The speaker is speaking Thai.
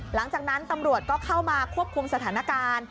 หลังจากนั้นตำรวจก็เข้ามาควบคุมสถานการณ์